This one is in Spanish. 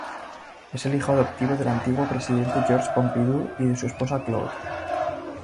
Es el hijo adoptivo del antiguo Presidente Georges Pompidou y de su esposa Claude.